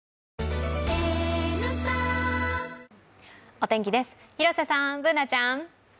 お天気です、広瀬さん、Ｂｏｏｎａちゃん。